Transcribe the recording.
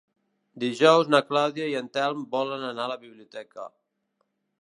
Dijous na Clàudia i en Telm volen anar a la biblioteca.